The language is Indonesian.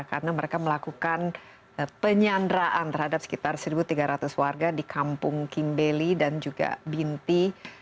karena mereka melakukan penyandraan terhadap sekitar satu tiga ratus warga di kampung kimbeli dan juga binti